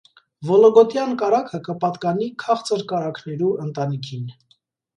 Վոլոգոտեան կարագը կը պատկանի քաղցր կարագներու ընտանիքին։